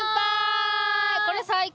これ最高！